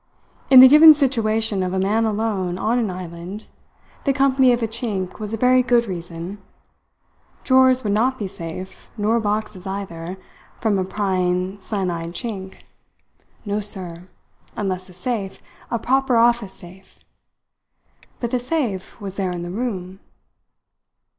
In the given situation of a man alone on an island, the company of a Chink was a very good reason. Drawers would not be safe, nor boxes, either, from a prying, slant eyed Chink. No, sir, unless a safe a proper office safe. But the safe was there in the room.